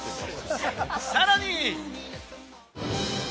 さらに。